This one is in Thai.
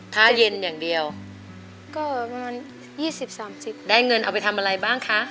ถ้าเย็นอย่างเดียวก็ประมาณยี่สิบสามสิบได้เงินเอาไปทำอะไรบ้างคะ